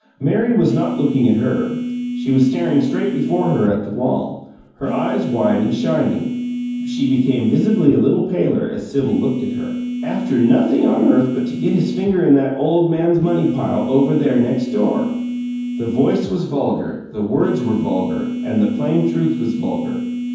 Mary was not looking at her; she was staring straight before her at the wall, her eyes wide and shining. She became visibly a little paler as Sibyl looked at her. "After nothing on earth but to get his finger in that old man's money pile, over there, next door!" The voice was vulgar, the words were vulgar and the plain truth was vulgar!